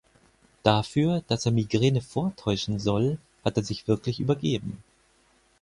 Dafür, dass er Migräne vortäuschen soll, hat er sich wirklich übergeben.